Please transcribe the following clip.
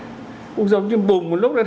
cũng giống như bùng một lúc